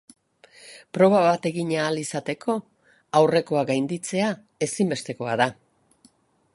Proba bat egin ahal izateko aurrekoa gainditzea ezinbestekoa da.